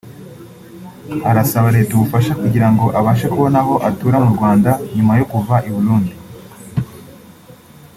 Arasaba Leta ubufasha kugira ngo abashe kubona aho atura mu Rwanda nyuma yo kuva i Burundi